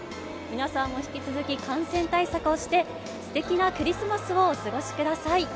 皆さんも引き続き感染対策をして、すてきなクリスマスをお過ごしください。